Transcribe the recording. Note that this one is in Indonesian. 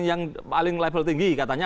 yang paling level tinggi katanya